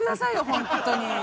本当に。